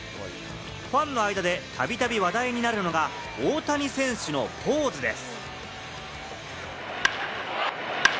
ファンの間で度々話題となるのが大谷選手のポーズです。